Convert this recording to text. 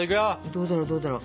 どうだろうどうだろう。